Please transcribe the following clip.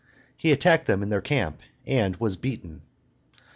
He attacked them in their camp, and was beaten.